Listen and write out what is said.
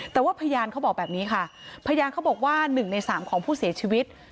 แต่ว่าพยานเขาบอกแบบนี้ค่ะพยานเขาบอกว่า๑ใน๓ของผู้เสียชีวิต